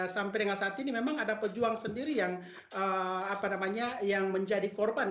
sampai dengan saat ini memang ada pejuang sendiri yang menjadi korban